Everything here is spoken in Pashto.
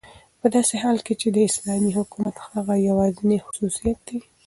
په داسي حال كې چې دا داسلامي حكومت هغه يوازينى خصوصيت دى